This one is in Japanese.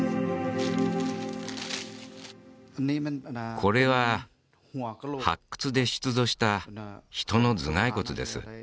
これは発掘で出土した人の頭蓋骨です